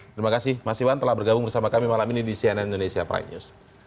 terima kasih mas iwan telah bergabung bersama kami malam ini di cnn indonesia prime news